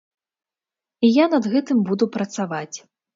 І я над гэтым буду працаваць.